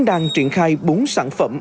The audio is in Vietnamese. đang triển khai bốn sản phẩm